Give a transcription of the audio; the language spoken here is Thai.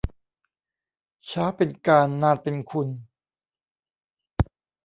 ช้าเป็นการ นานเป็นคุณ